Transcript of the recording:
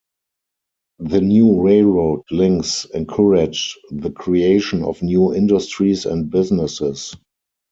The new railroad links encouraged the creation of new industries and businesses.